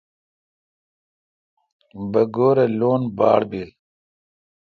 بگور اے لون باڑ بیل۔